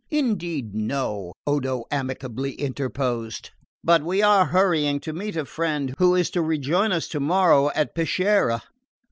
"Indeed, no," Odo amicably interposed; "but we are hurrying to meet a friend who is to rejoin us tomorrow at Peschiera."